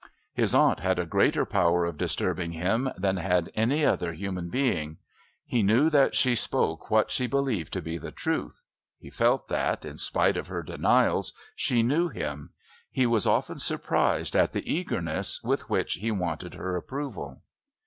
His aunt had a greater power of disturbing him than had any other human being. He knew that she spoke what she believed to be the truth; he felt that, in spite of her denials, she knew him. He was often surprised at the eagerness with which he wanted her approval.